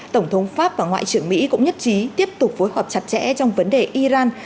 tổng thống pháp và ngoại trưởng mỹ cũng nhất trí tiếp tục phối hợp chặt chẽ trong vấn đề iran